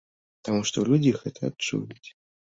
Таму што людзі гэта адчуюць.